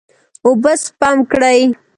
اوبه سپم کړئ.